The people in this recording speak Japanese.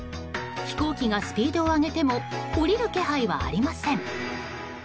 飛行機がスピードを上げても降りる気配はありません。